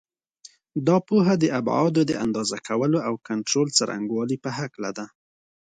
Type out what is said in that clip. دا پوهه د ابعادو د اندازه کولو او کنټرول څرنګوالي په هکله ده.